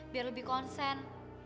biar lebih konsen